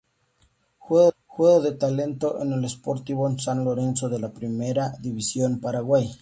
Juega de delantero en el Sportivo San Lorenzo de la Primera División de Paraguay.